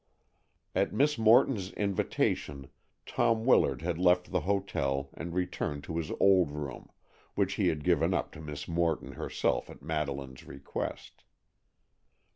At Miss Morton's invitation Tom Willard had left the hotel and returned to his old room, which he had given up to Miss Morton herself at Madeleine's request.